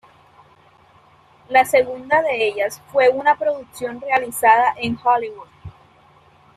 La segunda de ellas fue una producción realizada en Hollywood.